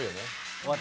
終わった。